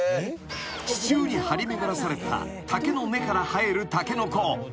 ［地中に張り巡らされた竹の根から生えるタケノコ］